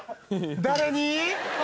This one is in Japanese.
「誰に！？」